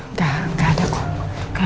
nggak nggak ada kok